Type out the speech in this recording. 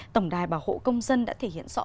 tổng đài bảo hộ công dân đã thể hiện rõ